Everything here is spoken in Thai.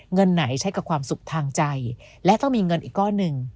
เงินไหนใช้กับความสุขทางใจและต้องมีเงินอีกก้อนหนึ่ง